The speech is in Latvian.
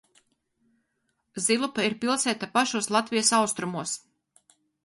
Zilupe ir pilsēta pašos Latvijas austrumos.